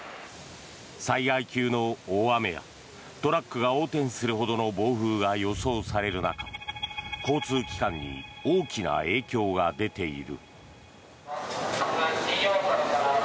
災害級の大雨やトラックが横転するほどの暴風が予想される中交通機関に大きな影響が出ている。